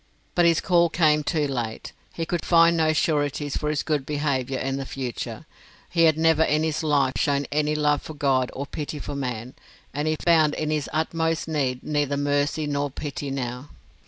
But his call came too late; he could find no sureties for his good behaviour in the future; he had never in his life shown any love for God or pity for man, and he found in his utmost need neither mercy nor pity now.